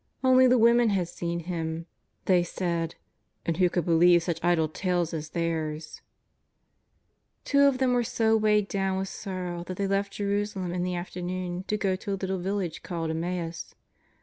Only the women had seen Him, they said, and who could believe such idle tales as theirs ! Two of them were so weighed down with sorrow that they left Jerusalem in the afternoon to go to a little village called Emmaus.